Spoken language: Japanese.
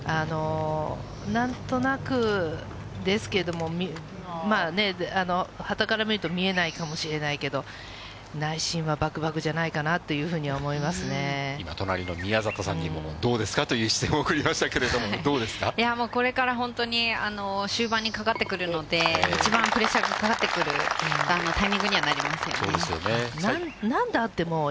なんとなくですけれども、まあ、はたから見ると、見えないかもしれないけど、内心はばくばくじゃ今、隣の宮里さんにもどうですかという視線を送りましたけれども、いやもう、これから本当に終盤にかかってくるので、一番プレッシャーかかってくるタイミングにはなりますよね。